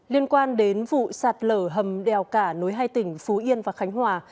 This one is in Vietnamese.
liên quan đến vụ sạt lở hầm đèo cả nối hai tỉnh phú yên và khánh hòa